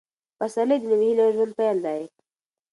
پسرلی د نوې هیلې او ژوند پیل دی.